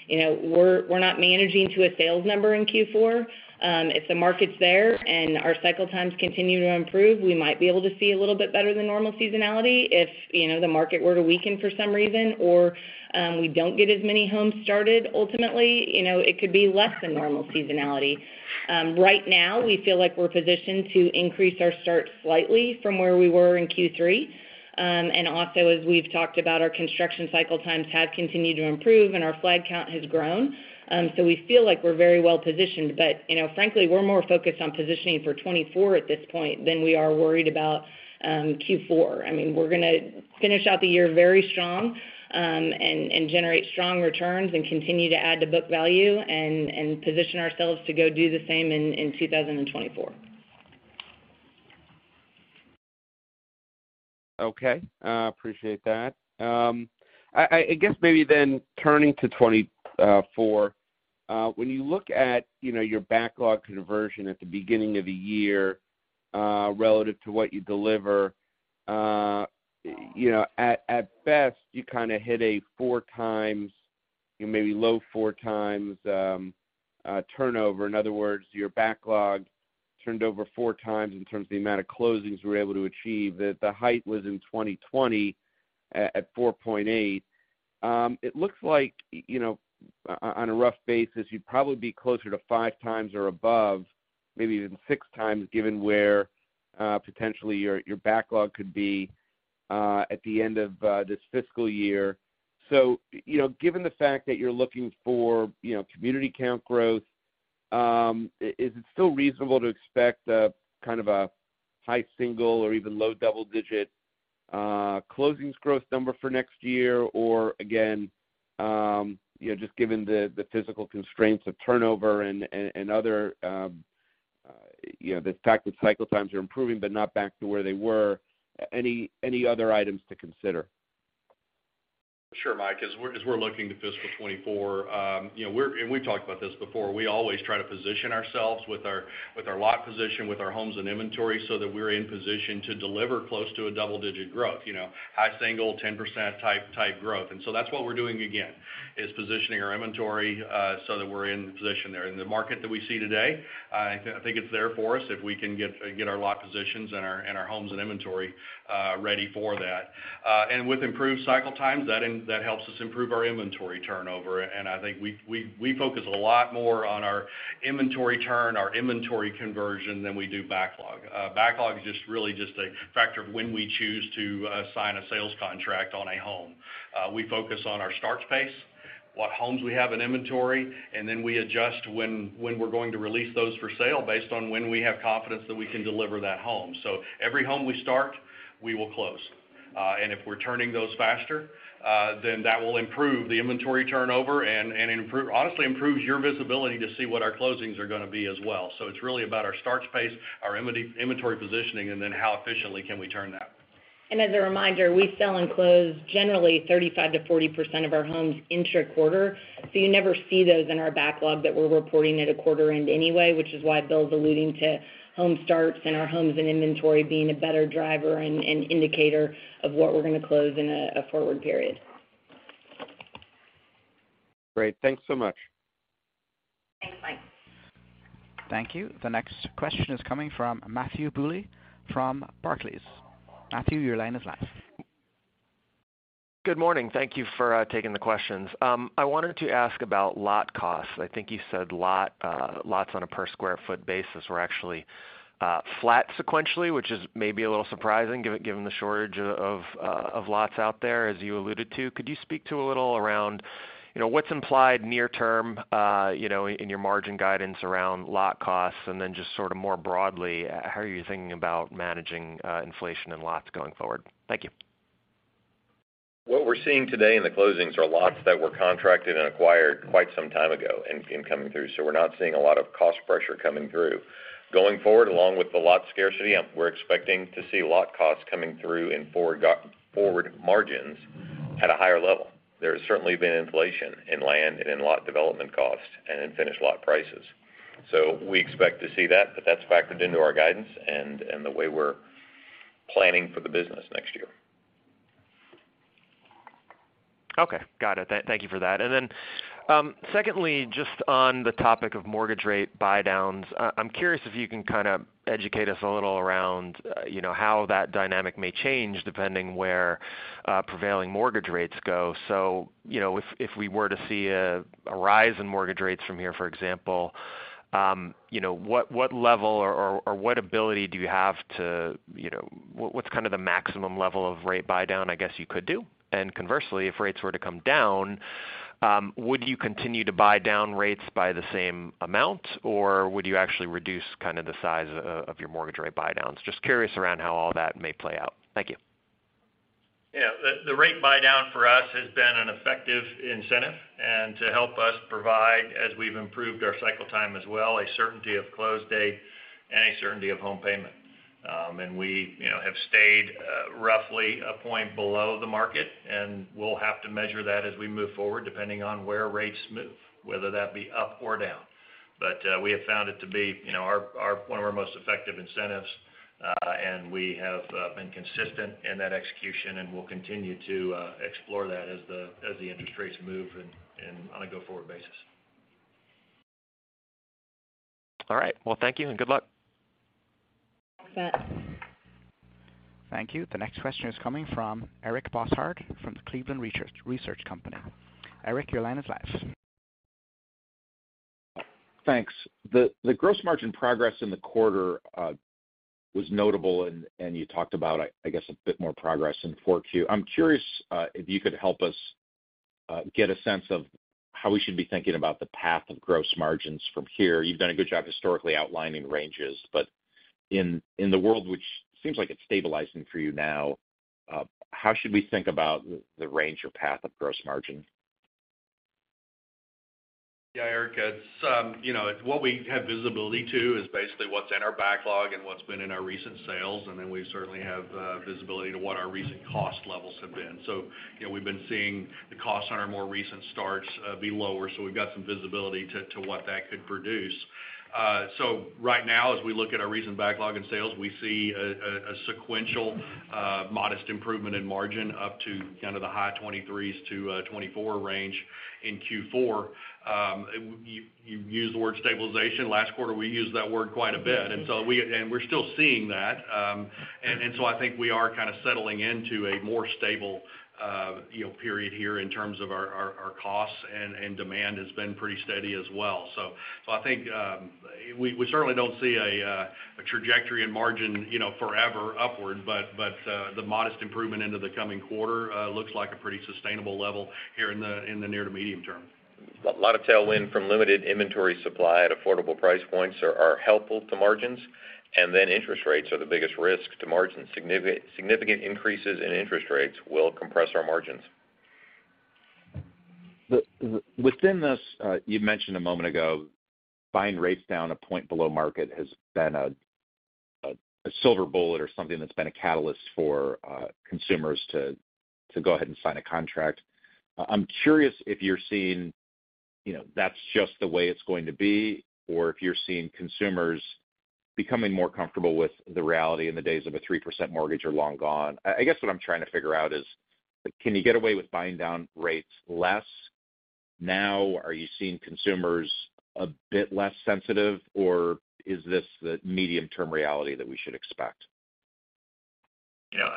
You know, we're not managing to a sales number in Q4. If the market's there and our cycle times continue to improve, we might be able to see a little bit better than normal seasonality. If, you know, the market were to weaken for some reason or, we don't get as many homes started, ultimately, you know, it could be less than normal seasonality. Right now, we feel like we're positioned to increase our start slightly from where we were in Q3. Also, as we've talked about, our construction cycle times have continued to improve and our flag count has grown. We feel like we're very well positioned, but, you know, frankly, we're more focused on positioning for 2024 at this point than we are worried about, Q4. I mean, we're gonna finish out the year very strong, and generate strong returns and continue to add to book value and position ourselves to go do the same in 2024. Appreciate that. I guess maybe then turning to 2024, when you look at, you know, your backlog conversion at the beginning of the year, relative to what you deliver, you know, at best, you kind of hit a 4 times, maybe low 4 times, turnover. In other words, your backlog turned over 4 times in terms of the amount of closings we're able to achieve. The height was in 2020, at 4.8. It looks like, you know, on a rough basis, you'd probably be closer to 5 times or above, maybe even 6 times, given where potentially your backlog could be at the end of this fiscal year. You know, given the fact that you're looking for, you know, community count growth, is it still reasonable to expect kind of a high-single or even low-double-digit closings growth number for next year? Again, you know, just given the physical constraints of turnover and other, you know, the fact that cycle times are improving, but not back to where they were, any other items to consider? Sure, Mike. As we're looking to fiscal 2024, you know, and we've talked about this before, we always try to position ourselves with our lot position, with our homes and inventory, so that we're in position to deliver close to a double-digit growth, you know, high single, 10% type growth. That's what we're doing again, is positioning our inventory, so that we're in position there. In the market that we see today, I think it's there for us if we can get our lot positions and our homes and inventory ready for that. With improved cycle times, that helps us improve our inventory turnover, and I think we focus a lot more on our inventory turn, our inventory conversion than we do backlog. backlog is just really just a factor of when we choose to sign a sales contract on a home. We focus on our start space. what homes we have in inventory, and then we adjust when we're going to release those for sale based on when we have confidence that we can deliver that home. Every home we start, we will close. If we're turning those faster, then that will improve the inventory turnover and improve honestly, improves your visibility to see what our closings are gonna be as well. It's really about our start space, our inventory positioning, and then how efficiently can we turn that. As a reminder, we sell and close generally 35 to 40% of our homes intra-quarter, so you never see those in our backlog that we're reporting at a quarter end anyway, which is why Bill's alluding to home starts and our homes and inventory being a better driver and indicator of what we're going to close in a forward period. Great. Thanks so much. Thanks, Mike. Thank you. The next question is coming from Matthew Bouley from Barclays. Matthew, your line is live. Good morning. Thank you for taking the questions. I wanted to ask about lot costs. I think you said lots on a per square foot basis were actually flat sequentially, which is maybe a little surprising, given the shortage of lots out there, as you alluded to. Could you speak to a little around, you know, what's implied near term, you know, in your margin guidance around lot costs? Then just sort of more broadly, how are you thinking about managing inflation and lots going forward? Thank you. What we're seeing today in the closings are lots that were contracted and acquired quite some time ago and coming through, so we're not seeing a lot of cost pressure coming through. Going forward, along with the lot scarcity, we're expecting to see lot costs coming through in go-forward margins at a higher level. There has certainly been inflation in land and in lot development costs and in finished lot prices. We expect to see that, but that's factored into our guidance and the way we're planning for the business next year. Okay. Got it. Thank you for that. Then, secondly, just on the topic of mortgage rate buydowns, I'm curious if you can kind of educate us a little around, you know, how that dynamic may change depending where, prevailing mortgage rates go. You know, if we were to see a rise in mortgage rates from here, for example, you know, what level or what ability do you have to, you know... What's kind of the maximum level of rate buydown, I guess, you could do? Conversely, if rates were to come down, would you continue to buy down rates by the same amount, or would you actually reduce kind of the size of your mortgage rate buydowns? Just curious around how all that may play out. Thank you. The rate buydown for us has been an effective incentive, and to help us provide, as we've improved our cycle time as well, a certainty of close date and a certainty of home payment. We, you know, have stayed roughly a point below the market, and we'll have to measure that as we move forward, depending on where rates move, whether that be up or down. We have found it to be, you know, one of our most effective incentives, and we have been consistent in that execution, and we'll continue to explore that as the interest rates move and on a go-forward basis. All right. Well, thank you, and good luck. Thanks. Thank you. The next question is coming from Eric Bosshard from the Cleveland Research Company. Eric, your line is live. Thanks. The gross margin progress in the quarter was notable, and you talked about, I guess, a bit more progress in 4Q. I'm curious if you could help us get a sense of how we should be thinking about the path of gross margins from here. You've done a good job historically outlining ranges, but in the world, which seems like it's stabilizing for you now, how should we think about the range or path of gross margin? Yeah, Eric, it's, you know, what we have visibility to is basically what's in our backlog and what's been in our recent sales, we certainly have visibility to what our recent cost levels have been. You know, we've been seeing the costs on our more recent starts be lower, so we've got some visibility to what that could produce. Right now, as we look at our recent backlog in sales, we see a sequential modest improvement in margin up to kind of the high 23s to 24% range in Q4. You used the word stabilization. Last quarter, we used that word quite a bit, and we're still seeing that. I think we are kind of settling into a more stable, you know, period here in terms of our costs, and demand has been pretty steady as well. I think we certainly don't see a trajectory in margin, you know, forever upward, but the modest improvement into the coming quarter looks like a pretty sustainable level here in the near to medium term. Lot of tailwind from limited inventory supply at affordable price points are helpful to margins, interest rates are the biggest risk to margins. Significant increases in interest rates will compress our margins. within this, you mentioned a moment ago, buying rates down a point below market has been a silver bullet or something that's been a catalyst for consumers to go ahead and sign a contract. I'm curious if you're seeing, you know, that's just the way it's going to be, or if you're seeing consumers becoming more comfortable with the reality and the days of a 3% mortgage are long gone. I guess what I'm trying to figure out is, can you get away with buying down rates less now? Are you seeing consumers a bit less sensitive, or is this the medium-term reality that we should expect? You know,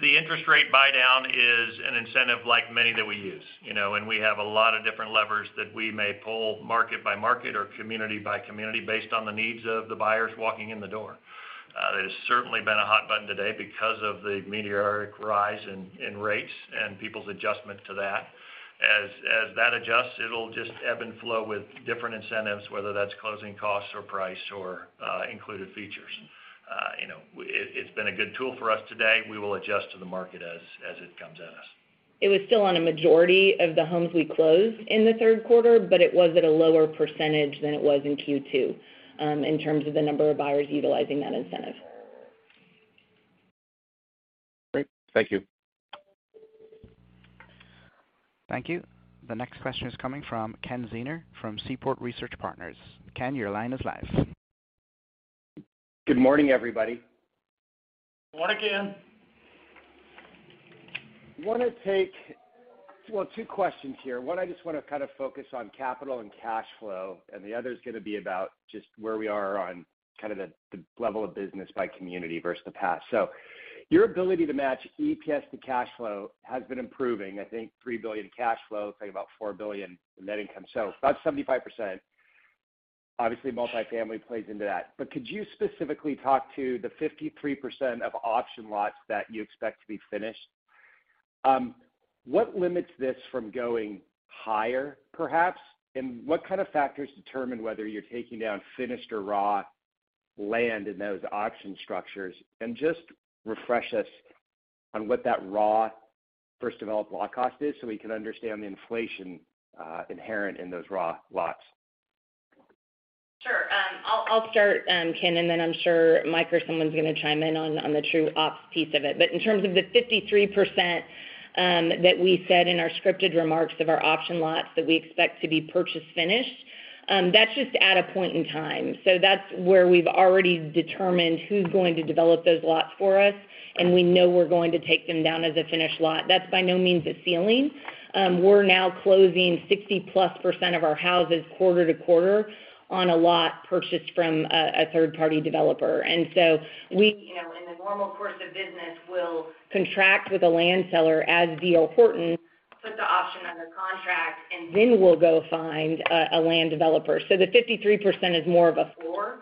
the interest rate buydown is an incentive like many that we use, you know, and we have a lot of different levers that we may pull market by market or community by community based on the needs of the buyers walking in the door. It has certainly been a hot button today because of the meteoric rise in rates and people's adjustment to that. As that adjusts, it'll just ebb and flow with different incentives, whether that's closing costs or price or included features. You know, it's been a good tool for us today. We will adjust to the market as it comes at us. It was still on a majority of the homes we closed in the Q3, but it was at a lower % than it was in Q2 in terms of the number of buyers utilizing that incentive. Great. Thank you. Thank you. The next question is coming from Kenneth Zener from Seaport Research Partners. Ken, your line is live. Good morning, everybody. Good morning, Ken. I wanna, well, two questions here. One, I just wanna kind of focus on capital and cash flow, and the other is gonna be about just where we are on kind of the level of business by community versus the past. Your ability to match EPS to cash flow has been improving, I think, $3 billion cash flow, think about $4 billion in net income. About 75%, obviously, multifamily plays into that. Could you specifically talk to the 53% of option lots that you expect to be finished? What limits this from going higher, perhaps? What kind of factors determine whether you're taking down finished or raw land in those auction structures? Just refresh us on what that raw first development lot cost is, so we can understand the inflation inherent in those raw lots. Sure. I'll start, Ken, and then I'm sure Mike or someone's gonna chime in on the true ops piece of it. In terms of the 53% that we said in our scripted remarks of our option lots that we expect to be purchase finished, that's just at a point in time. That's where we've already determined who's going to develop those lots for us, and we know we're going to take them down as a finished lot. That's by no means a ceiling. We're now closing 60%-plus of our houses quarter-to-quarter on a lot purchased from a third-party developer. We, you know, in the normal course of business, will contract with a land seller as D.R. Horton, put the option under contract, and then we'll go find a land developer. The 53% is more of a floor,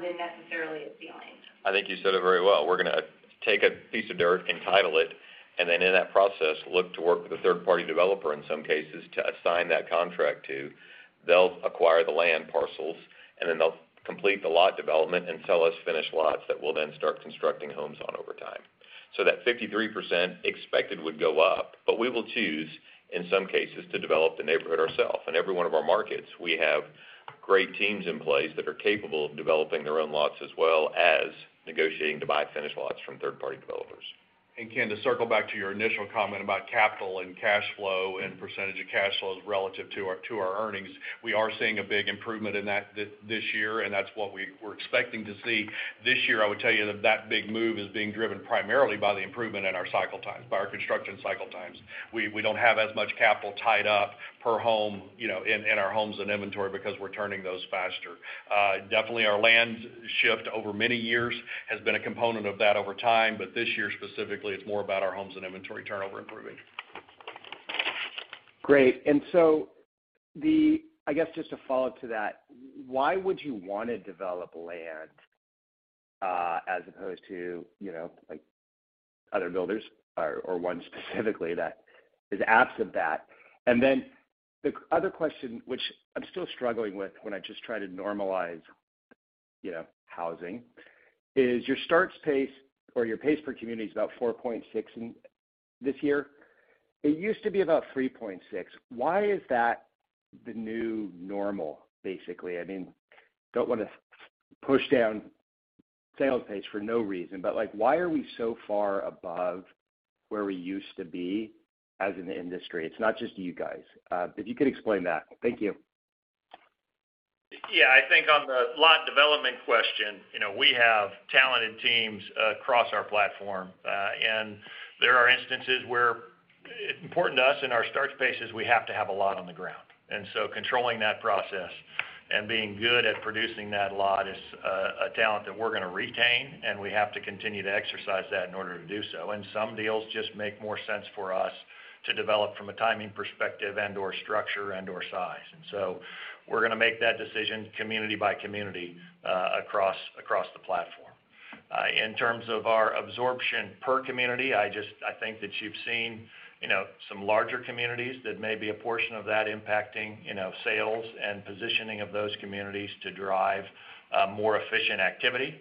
than necessarily a ceiling. I think you said it very well. We're gonna take a piece of dirt and title it, and then in that process, look to work with a third-party developer in some cases, to assign that contract to. They'll acquire the land parcels, and then they'll complete the lot development and sell us finished lots that we'll then start constructing homes on over time. That 53% expected would go up, but we will choose, in some cases, to develop the neighborhood ourself. In every one of our markets, we have great teams in place that are capable of developing their own lots, as well as negotiating to buy finished lots from third-party developers. Ken, to circle back to your initial comment about capital and cash flow and percentage of cash flows relative to our earnings, we are seeing a big improvement in that this year, and that's what we were expecting to see. This year, I would tell you that big move is being driven primarily by the improvement in our cycle times, by our construction cycle times. We don't have as much capital tied up per home, you know, in our homes and inventory because we're turning those faster. Definitely our land shift over many years has been a component of that over time, but this year specifically, it's more about our homes and inventory turnover improving. Great. I guess, just a follow-up to that, why would you want to develop land, as opposed to, you know, like, other builders or one specifically that is absent that? The other question, which I'm still struggling with when I just try to normalize, you know, housing, is your starts pace or your pace per community is about 4.6 in this year. It used to be about 3.6. Why is that the new normal, basically? I mean, don't want to push down sales pace for no reason, but, like, why are we so far above where we used to be as an industry? It's not just you guys. If you could explain that. Thank you. Yeah, I think on the lot development question, you know, we have talented teams across our platform. There are instances where it's important to us in our starts paces, we have to have a lot on the ground. Controlling that process and being good at producing that lot is a talent that we're gonna retain, and we have to continue to exercise that in order to do so. Some deals just make more sense for us to develop from a timing perspective and/or structure and/or size. We're gonna make that decision community by community across the platform. In terms of our absorption per community, I think that you've seen, you know, some larger communities that may be a portion of that impacting, you know, sales and positioning of those communities to drive more efficient activity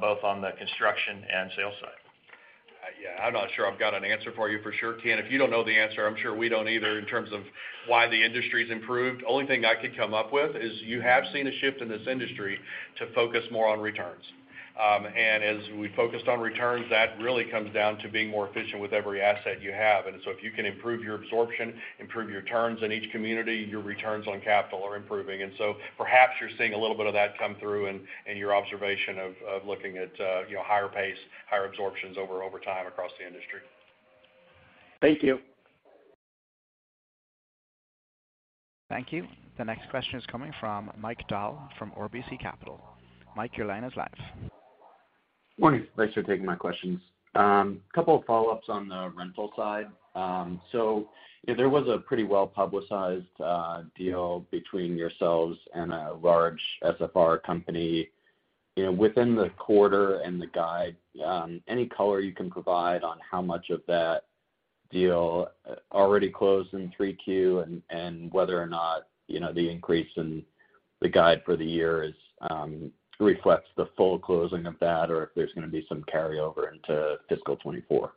both on the construction and sales side. Yeah, I'm not sure I've got an answer for you for sure, Ken. If you don't know the answer, I'm sure we don't either in terms of why the industry's improved. Only thing I could come up with is, you have seen a shift in this industry to focus more on returns. As we focused on returns, that really comes down to being more efficient with every asset you have. If you can improve your absorption, improve your turns in each community, your returns on capital are improving. Perhaps you're seeing a little bit of that come through in your observation of looking at, you know, higher pace, higher absorptions over time across the industry. Thank you. Thank you. The next question is coming from Mike Dahl from RBC Capital. Mike, your line is live. Morning. Thanks for taking my questions. Couple of follow-ups on the rental side. There was a pretty well-publicized deal between yourselves and a large SFR company. You know, within the quarter and the guide, any color you can provide on how much of that deal already closed in 3Q, and whether or not, you know, the increase in the guide for the year reflects the full closing of that, or if there's going to be some carryover into fiscal 2024?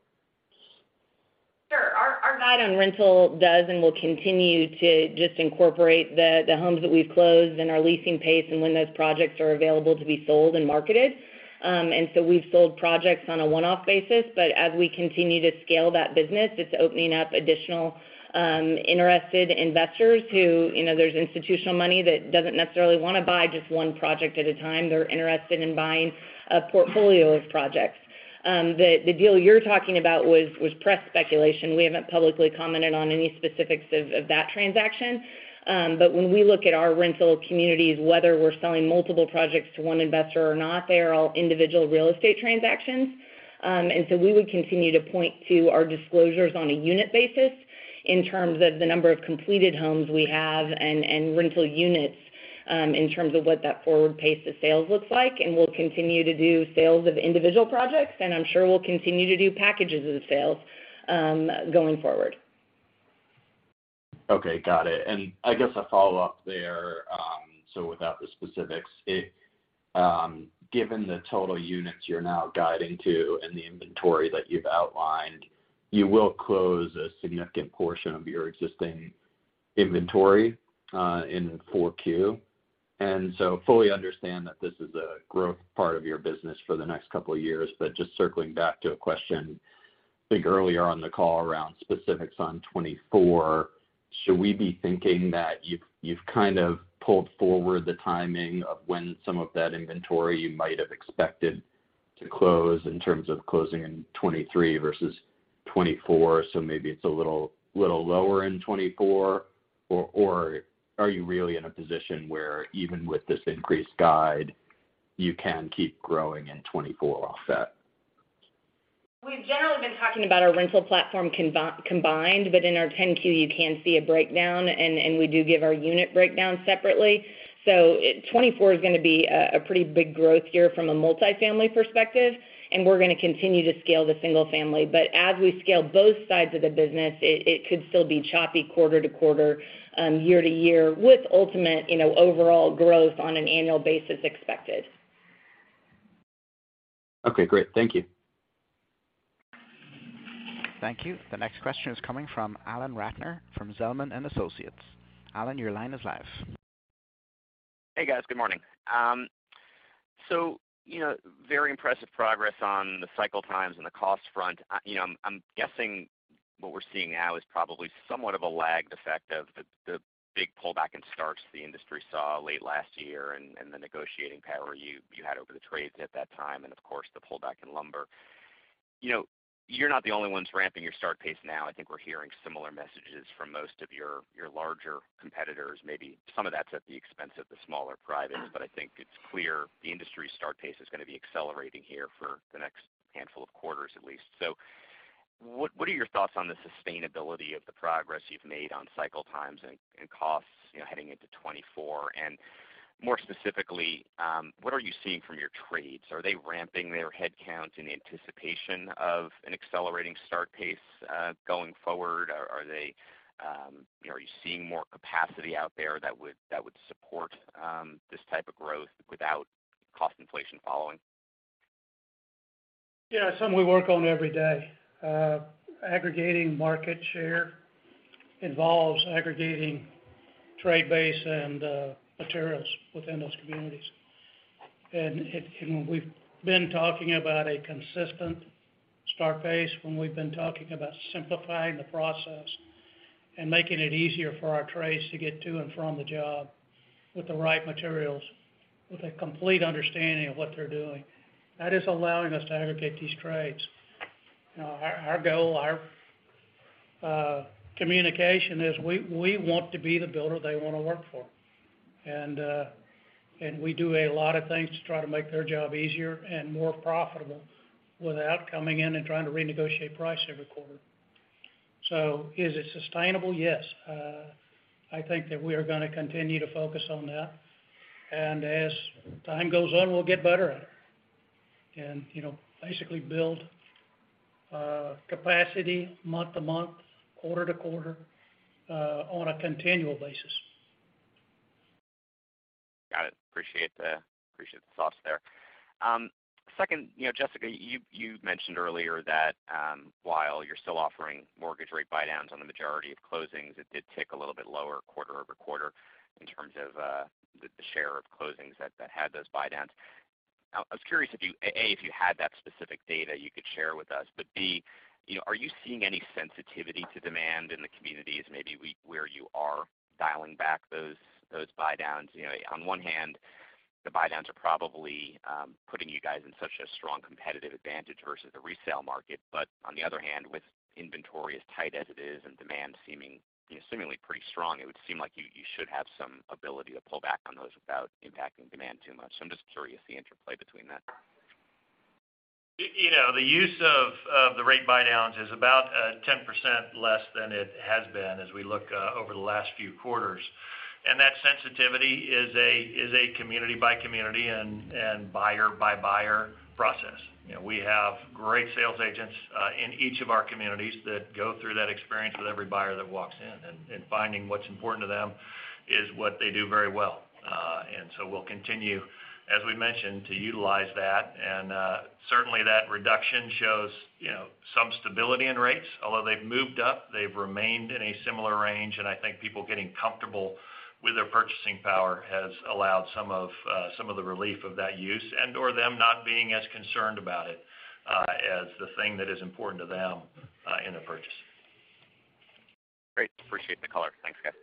Sure. Our guide on rental does and will continue to just incorporate the homes that we've closed and our leasing pace and when those projects are available to be sold and marketed. We've sold projects on a one-off basis, but as we continue to scale that business, it's opening up additional, interested investors who, you know, there's institutional money that doesn't necessarily want to buy just one project at a time. They're interested in buying a portfolio of projects. The deal you're talking about was press speculation. We haven't publicly commented on any specifics of that transaction. When we look at our rental communities, whether we're selling multiple projects to one investor or not, they are all individual real estate transactions. We would continue to point to our disclosures on a unit basis in terms of the number of completed homes we have and rental units, in terms of what that forward pace of sales looks like, and we'll continue to do sales of individual projects, and I'm sure we'll continue to do packages of sales going forward. Okay, got it. I guess a follow-up there, so without the specifics, if, given the total units you're now guiding to and the inventory that you've outlined, you will close a significant portion of your existing inventory, in 4Q. Fully understand that this is a growth part of your business for the next couple of years, but just circling back to a question, I think earlier on the call around specifics on 2024, should we be thinking that you've kind of pulled forward the timing of when some of that inventory you might have expected to close in terms of closing in 2023 versus 2024? Maybe it's a little lower in 2024, or are you really in a position where even with this increased guide, you can keep growing in 2024 off that? We've generally been talking about our rental platform combined, but in our 10-Q, you can see a breakdown, and we do give our unit breakdown separately. 2024 is going to be a pretty big growth year from a multifamily perspective, and we're going to continue to scale the single family. As we scale both sides of the business, it could still be choppy quarter to quarter, year to year, with ultimate, you know, overall growth on an annual basis expected. Okay, great. Thank you. Thank you. The next question is coming from Alan Ratner from Zelman & Associates. Alan, your line is live. Hey, guys, good morning. You know, very impressive progress on the cycle times and the cost front. You know, I'm guessing what we're seeing now is probably somewhat of a lagged effect of the big pullback in starts the industry saw late last year and the negotiating power you had over the trades at that time, and of course, the pullback in lumber. You know, you're not the only ones ramping your start pace now. I think we're hearing similar messages from most of your larger competitors. Maybe some of that's at the expense of the smaller privates, but I think it's clear the industry start pace is going to be accelerating here for the next handful of quarters, at least. What are your thoughts on the sustainability of the progress you've made on cycle times and costs, you know, heading into 2024? More specifically, what are you seeing from your trades? Are they ramping their headcounts in anticipation of an accelerating start pace going forward? Are they, are you seeing more capacity out there that would support this type of growth without cost inflation following? Something we work on every day. Aggregating market share involves aggregating trade base and materials within those communities. We've been talking about a consistent start pace when we've been talking about simplifying the process and making it easier for our trades to get to and from the job with the right materials, with a complete understanding of what they're doing. That is allowing us to aggregate these trades. Our goal, our communication is we want to be the builder they want to work for. We do a lot of things to try to make their job easier and more profitable without coming in and trying to renegotiate price every quarter. Is it sustainable? Yes. I think that we are going to continue to focus on that. As time goes on, we'll get better at it and, you know, basically build capacity month to month, quarter to quarter, on a continual basis. Got it. Appreciate the thoughts there. Second, you know, Jessica, you mentioned earlier that, while you're still offering mortgage rate buydowns on the majority of closings, it did tick a little bit lower quarter-over-quarter in terms of the share of closings that had those buydowns. I was curious if you, A, if you had that specific data you could share with us, but B, you know, are you seeing any sensitivity to demand in the communities, maybe where you are dialing back those buydowns? You know, on one hand, the buydowns are probably putting you guys in such a strong competitive advantage versus the resale market. On the other hand, with inventory as tight as it is and demand seemingly pretty strong, it would seem like you should have some ability to pull back on those without impacting demand too much. I'm just curious, the interplay between that.... You know, the use of the rate buydowns is about, 10% less than it has been as we look, over the last few quarters. That sensitivity is a community by community and buyer by buyer process. You know, we have great sales agents, in each of our communities that go through that experience with every buyer that walks in, and finding what's important to them is what they do very well. We'll continue, as we mentioned, to utilize that. Certainly, that reduction shows, you know, some stability in rates. Although they've moved up, they've remained in a similar range, and I think people getting comfortable with their purchasing power has allowed some of, some of the relief of that use and, or them not being as concerned about it, as the thing that is important to them, in a purchase. Great. Appreciate the color. Thanks, guys.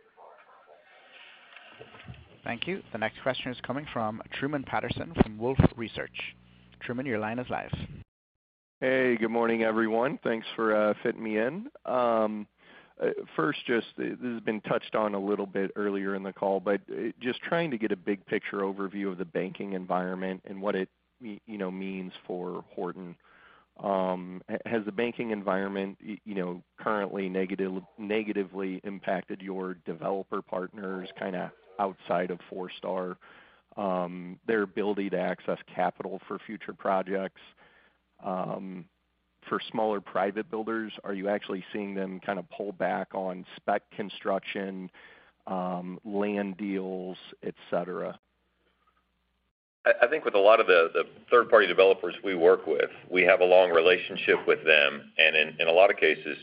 Thank you. The next question is coming from Truman Patterson from Wolfe Research. Truman, your line is live. Hey, good morning, everyone. Thanks for fitting me in. First, just this has been touched on a little bit earlier in the call, just trying to get a big picture overview of the banking environment and what it you know, means for Horton. Has the banking environment, you know, currently negatively impacted your developer partners, kind of outside of Forestar, their ability to access capital for future projects, for smaller private builders? Are you actually seeing them kind of pull back on spec construction, land deals, et cetera? I think with a lot of the third-party developers we work with, we have a long relationship with them, and in a lot of cases,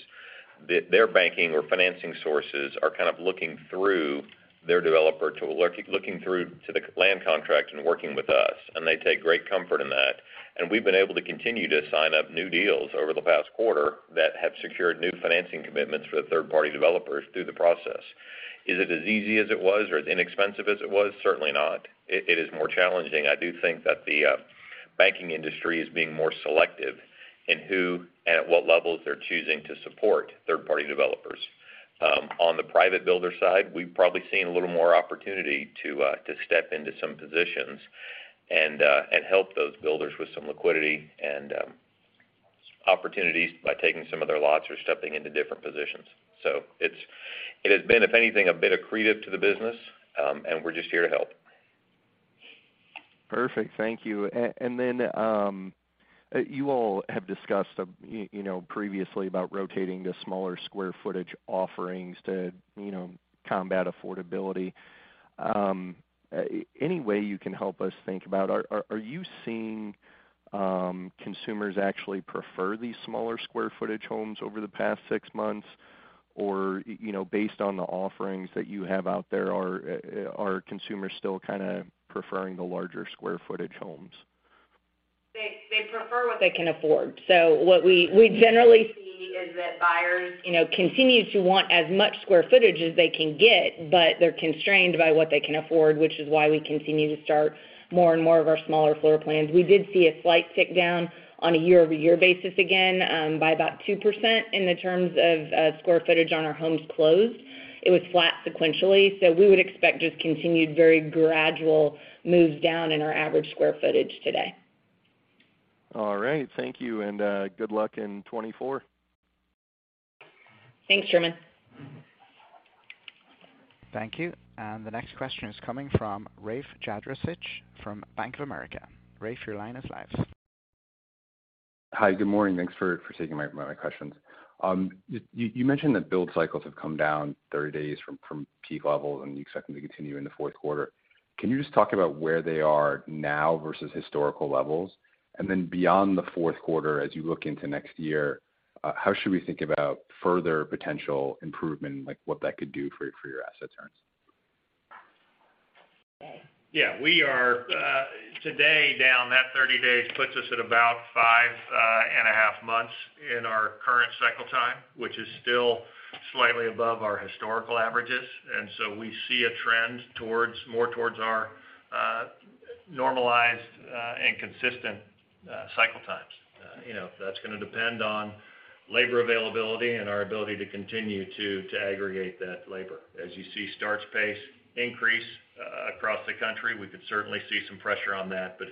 their banking or financing sources are kind of looking through their developer to. Looking through to the land contract and working with us, and they take great comfort in that. We've been able to continue to sign up new deals over the past quarter that have secured new financing commitments for the third-party developers through the process. Is it as easy as it was or as inexpensive as it was? Certainly not. It is more challenging. I do think that the banking industry is being more selective in who and at what levels they're choosing to support third-party developers. On the private builder side, we've probably seen a little more opportunity to step into some positions and help those builders with some liquidity and opportunities by taking some of their lots or stepping into different positions. It has been, if anything, a bit accretive to the business, and we're just here to help. Perfect. Thank you. And then, you all have discussed, you know, previously about rotating to smaller square footage offerings to, you know, combat affordability. Any way you can help us think about, are you seeing consumers actually prefer these smaller square footage homes over the past 6 months? You know, based on the offerings that you have out there, are consumers still kind of preferring the larger square footage homes? They prefer what they can afford. What we generally see is that buyers, you know, continue to want as much square footage as they can get, but they're constrained by what they can afford, which is why we continue to start more and more of our smaller floor plans. We did see a slight tick down on a year-over-year basis again, by about 2% in the terms of square footage on our homes closed. It was flat sequentially, we would expect just continued very gradual moves down in our average square footage today. All right. Thank you, and good luck in 2024. Thanks, Truman. Thank you. The next question is coming from Rafe Jadrosich from Bank of America. Raph, your line is live. Hi, good morning. Thanks for taking my questions. You mentioned that build cycles have come down 30 days from peak levels, and you expect them to continue in the Q4. Can you just talk about where they are now versus historical levels? Beyond the Q4, as you look into next year, how should we think about further potential improvement, like what that could do for your asset turns? Yeah, we are, today, down that 30 days puts us at about 5 and a half months in our current cycle time, which is still slightly above our historical averages. We see a trend more towards our normalized and consistent cycle times. You know, that's gonna depend on labor availability and our ability to continue to aggregate that labor. As you see starts pace increase across the country, we could certainly see some pressure on that, but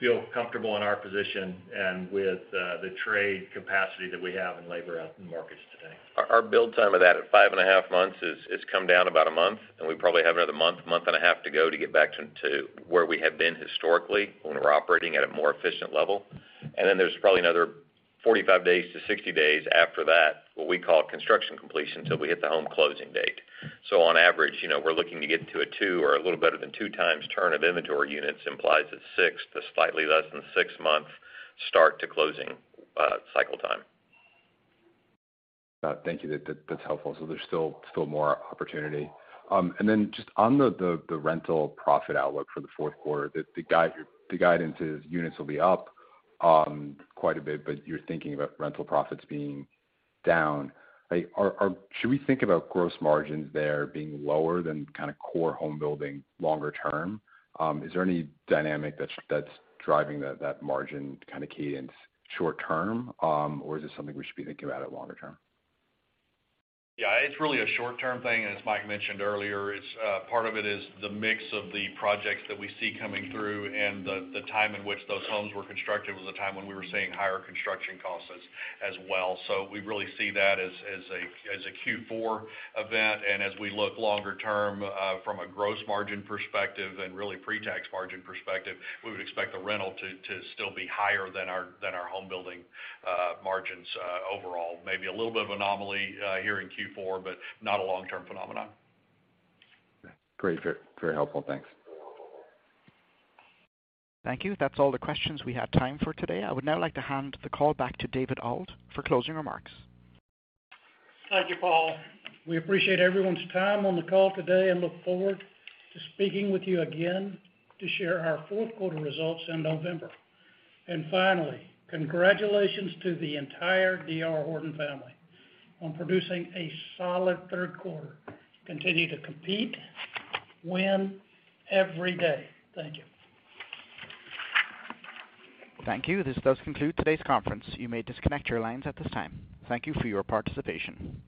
feel comfortable in our position and with the trade capacity that we have in labor in the markets today. Our build time of that at 5 and a half months has come down about 1 month, and we probably have another 1 and a half months to go to get back to where we have been historically, when we're operating at a more efficient level. Then there's probably another 45 days to 60 days after that, what we call construction completion, until we hit the home closing date. On average, you know, we're looking to get to a 2 or a little better than 2 times turn of inventory units implies a 6 to slightly less than 6-month start to closing cycle time. Thank you. That's helpful. There's still more opportunity. Then just on the rental profit outlook for the Q4, the guidance is units will be up quite a bit, but you're thinking about rental profits being down. Like, should we think about gross margins there being lower than kind of core home building longer term? Is there any dynamic that's driving that margin kind of key in short term? Or is this something we should be thinking about at longer term? It's really a short-term thing, and as Mike mentioned earlier, it's part of it is the mix of the projects that we see coming through and the time in which those homes were constructed was a time when we were seeing higher construction costs as well. We really see that as a Q4 event. As we look longer term, from a gross margin perspective and really pre-tax margin perspective, we would expect the rental to still be higher than our home building margins overall. Maybe a little bit of anomaly here in Q4, but not a long-term phenomenon. Great. Very, very helpful. Thanks. Thank you. That's all the questions we had time for today. I would now like to hand the call back to David Auld for closing remarks. Thank you, Paul. We appreciate everyone's time on the call today and look forward to speaking with you again to share our Q4 results in November. Finally, congratulations to the entire D.R. Horton family on producing a solid Q3. Continue to compete, win every day. Thank you. Thank you. This does conclude today's conference. You may disconnect your lines at this time. Thank you for your participation.